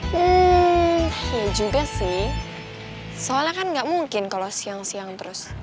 hmm ya juga sih soalnya kan nggak mungkin kalau siang siang terus